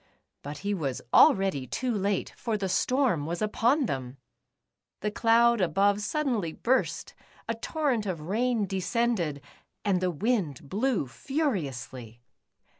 But he was already too late, for the storm was upon them ! The cloud above suddenly burst, a torrent of rain de scended, and the wind blew furiously.